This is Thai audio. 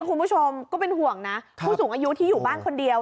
คุณผู้ชมก็เป็นห่วงนะผู้สูงอายุที่อยู่บ้านคนเดียว